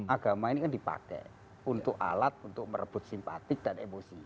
agama ini kan dipakai untuk alat untuk merebut simpatik dan emosi